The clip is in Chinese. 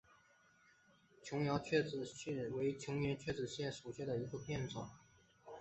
琼崖穴子蕨为禾叶蕨科穴子蕨属下的一个种。